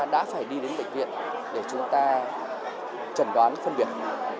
đi đến bệnh viện để chúng ta chẩn đoán phân biệt